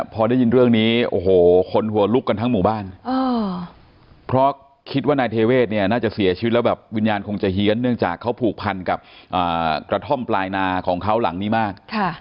ก็แล้วก็คิดว่าหาหังเป็นอะไรยิ่งตกใจค่ะ